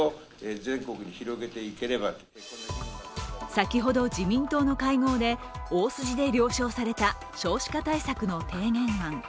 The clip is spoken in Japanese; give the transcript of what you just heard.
先ほど自民党の会合で大筋で了承された少子化対策の提言案。